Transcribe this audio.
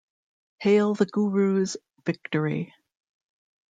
Hail the Guru's victory!